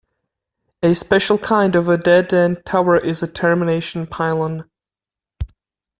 A special kind of a dead-end tower is a termination pylon.